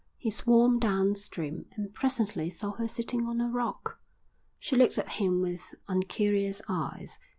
He swam downstream and presently saw her sitting on a rock. She looked at him with uncurious eyes.